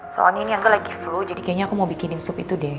soalnya ini aku lagi flow jadi kayaknya aku mau bikinin sup itu deh